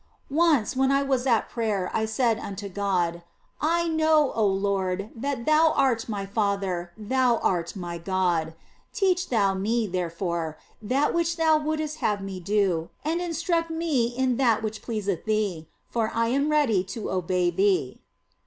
Once when I was at prayer I said unto God " I know, Lord, that Thou art my Father, for Thou art my God ; teach Thou me, therefore, that which Thou wouldst have me do, and instruct me in that which pleaseth Thee, for 1 am ready to obey Thee."